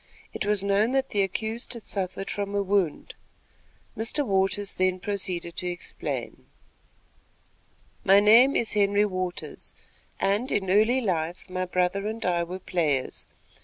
It was known that the accused had suffered from a wound. Mr. Waters then proceeded to explain: "My name is Henry Waters, and, in early life, my brother and I were players.